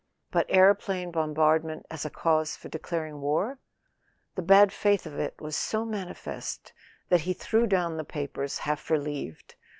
But aero¬ plane bombardment as a cause for declaring war ? The bad faith of it was so manifest that he threw down the papers half relieved.